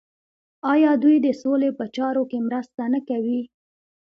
آیا دوی د سولې په چارو کې مرسته نه کوي؟